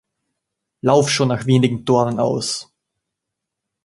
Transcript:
Lauf schon nach wenigen Toren aus.